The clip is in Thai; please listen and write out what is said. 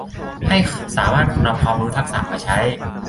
ให้สามารถนำความรู้ทักษะมาใช้